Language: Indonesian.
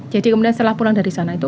jadi kemudian setelah pulang dari sana itu